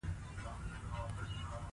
دلته د مطلق او نسبي اضافي ارزښت په اړه ګورو